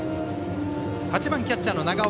８番キャッチャーの長尾。